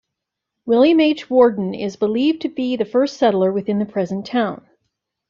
William H. Warden is believed to be the first settler within the present town.